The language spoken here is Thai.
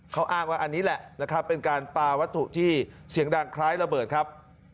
เขาอ้างว่าอันนี้แหละนะครับเป็นการปลาวัตถุที่เสียงดังคล้ายระเบิดครับ